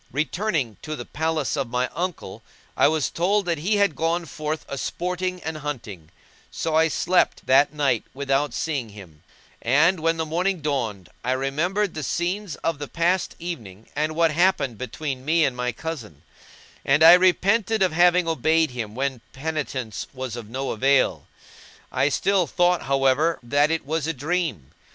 Returning to the palace of my uncle, I was told that he had gone forth a sporting and hunting; so I slept that night without seeing him; and, when the morning dawned, I remembered the scenes of the past evening and what happened between me and my cousin; I repented of having obeyed him when penitence was of no avail, I still thought, however, that it was a dream.